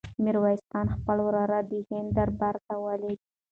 میرویس خان خپل وراره د هند دربار ته ولېږه.